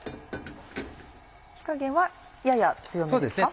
火加減はやや強めですか？